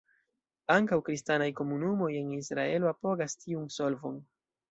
Ankaŭ kristanaj komunumoj en Israelo apogas tiun solvon.